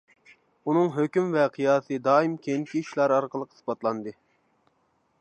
ئۇنىڭ ھۆكۈم ۋە قىياسى دائىم كېيىنكى ئىشلار ئارقىلىق ئىسپاتلاندى.